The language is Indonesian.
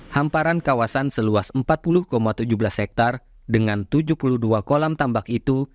hamparan kawasan seluas empat puluh tujuh belas hektare dengan tujuh puluh dua kolam tambak itu